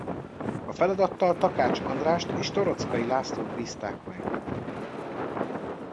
A feladattal Takács Andrást és Toroczkai Lászlót bízták meg.